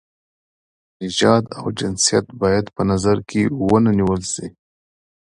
نژاد او جنسیت باید په نظر کې ونه نیول شي.